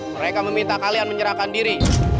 mereka meminta kalian menyerahkan diri